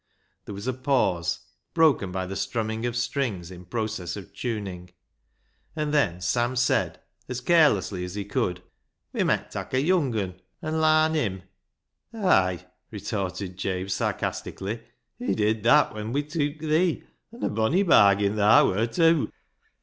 There was a pause, broken by the strumming of strings in process of tuning, and then Sam said as carelessly as he could —" We met tak' a young un an' larn him." 250 BECKSIDE LIGHTS " Ay," retorted Jabe sarcastically, " we did that when we teuk thee, an' a bonny bargin thaa wur tew."